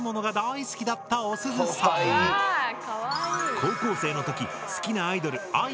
高校生の時好きなアイドルぁぃ